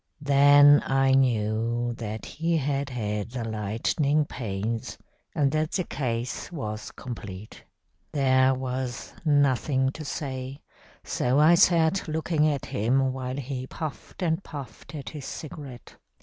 "Then I knew that he had had the lightning pains, and that the case was complete. There was nothing to say, so I sat looking at him while he puffed and puffed at his cigarette.